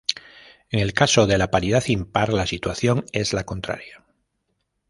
En el caso de la paridad impar, la situación es la contraria.